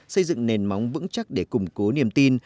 xây dựng nền móng vững chắc để củng cố niềm tin